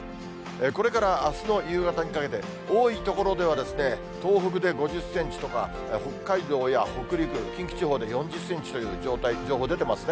これからあすの夕方にかけて、多い所では東北で５０センチとか、北海道や北陸、近畿地方で４０センチという情報が出てますね。